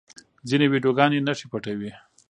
ځینې ویډیوګانې نښې پټوي.